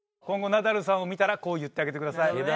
今後ナダルさんを見たらこう言ってあげてください。